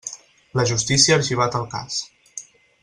La justícia ha arxivat el cas.